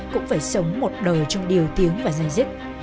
cũng phải sống một đời trong điều tiếng và dây dứt